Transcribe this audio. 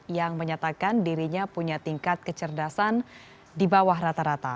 yang menyatakan dirinya punya tingkat kecerdasan di bawah rata rata